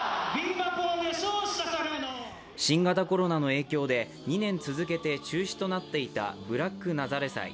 新型コロナの影響で２年続けて中止となっていたブラックナザレ祭。